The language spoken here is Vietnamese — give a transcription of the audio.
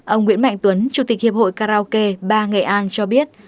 ông nguyễn mạnh tuấn chủ tịch hiệp hội karaoke ba nghệ an cho biết